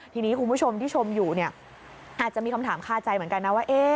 ทีนี้คุณผู้ชมที่ชมอยู่เนี่ยอาจจะมีคำถามคาใจเหมือนกันนะว่า